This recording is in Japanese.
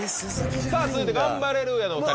続いてガンバレルーヤのお２人。